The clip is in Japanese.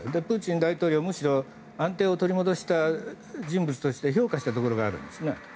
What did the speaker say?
プーチン大統領は、むしろ安定を取り戻した人物として評価したところがるんですね。